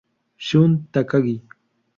Shun Takagi